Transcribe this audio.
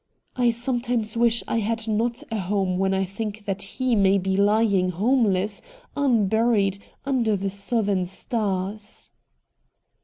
I sometimes wish I had not a home when I think that he may be lying homeless, unburied, under the southern stars.'